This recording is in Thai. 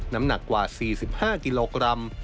น้ำหนักกว่า๔๕กิโลกรัม